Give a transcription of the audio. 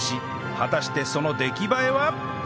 果たしてその出来栄えは！？